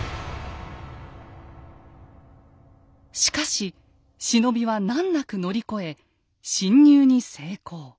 しかし忍びは難なく乗り越え侵入に成功。